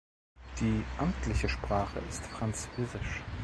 Die amtliche Sprache ist Französisch.